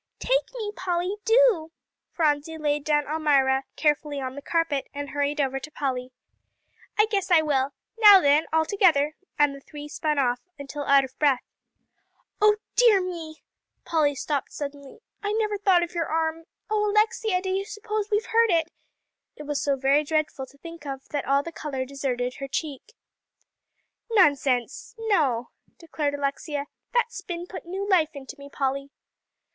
"Take me, Polly, do." Phronsie laid down Almira carefully on the carpet, and hurried over to Polly. "I guess I will. Now then, all together!" and the three spun off until out of breath. "Oh dear me!" Polly stopped suddenly. "I never thought of your arm, Alexia. Oh, do you suppose we've hurt it?" It was so very dreadful to think of, that all the color deserted her cheek. "Nonsense, no!" declared Alexia, "that spin put new life into me, Polly."